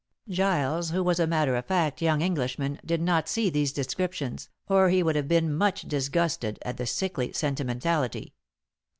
Giles, who was a matter of fact young Englishman, did not see these descriptions, or he would have been much disgusted at the sickly sentimentality.